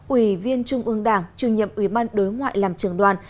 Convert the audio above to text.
ủy viên trung ương đảng chủ nhiệm ủy ban đối ngoại làm trường đoàn